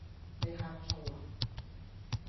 你呷醋呀?